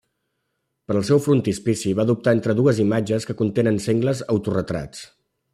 Per al seu frontispici va dubtar entre dues imatges que contenen sengles autoretrats.